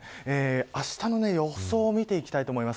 あしたの予想を見ていきたいと思います。